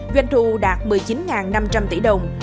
doanh thu đạt một mươi chín năm trăm linh tỷ đồng